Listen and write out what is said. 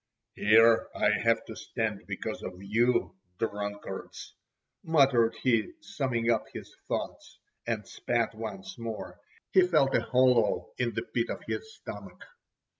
"Here I have to stand because of you, drunkards," muttered he, summing up his thoughts, and spat once more—he felt a hollow in the pit of his stomach.